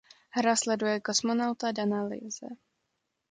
Hra sleduje kosmonauta Dana Lewise.